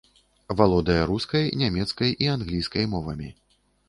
Валодае рускай, нямецкай і англійскай мовамі.